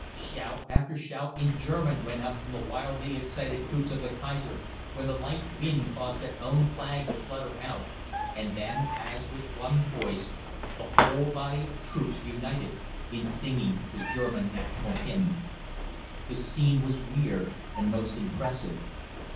Shout after shout in German went up from the wildly excited troops of the Kaiser when the light wind caused their own flag to flutter out, and then, as with one voice, the whole body of troops united in singing the German National Hymn. The scene was weird and most impressive.